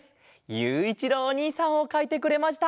ゆういちろうおにいさんをかいてくれました。